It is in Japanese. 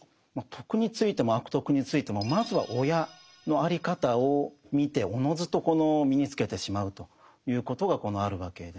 「徳」についても「悪徳」についてもまずは親のあり方を見ておのずと身につけてしまうということがあるわけです。